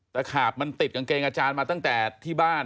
ขาบมันติดกางเกงอาจารย์มาตั้งแต่ที่บ้าน